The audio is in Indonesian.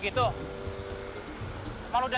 sepuluh wallet yang tahu bilang